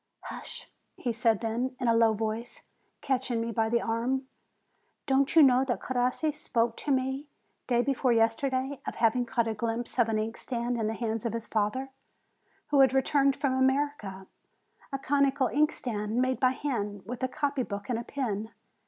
"Hush!" he said; then, in a low voice, catching me by the arm, "don't you know that Crossi spoke to me day before yesterday of having caught a glimpse of an inkstand in the hands of his father, who has re turned from America; a conical inkstand, made by hand, with a copy book and a pen?